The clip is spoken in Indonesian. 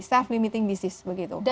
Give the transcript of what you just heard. self limiting disease begitu